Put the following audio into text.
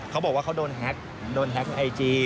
เขาบอกว่าเขาโดนแฮ็กโดนแฮ็กไอจี